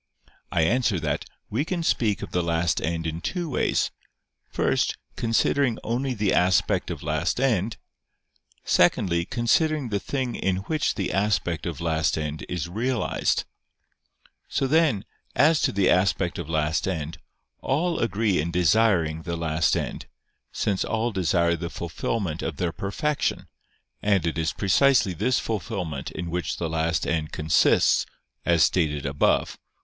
I answer that, We can speak of the last end in two ways: first, considering only the aspect of last end; secondly, considering the thing in which the aspect of last end is realized. So, then, as to the aspect of last end, all agree in desiring the last end: since all desire the fulfilment of their perfection, and it is precisely this fulfilment in which the last end consists, as stated above (A.